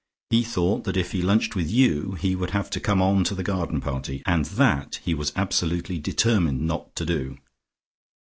He thought that if he lunched with you he would have to come on to the garden party, and that he was absolutely determined not to do.